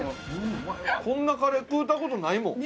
こんなカレー食うた事ないもん。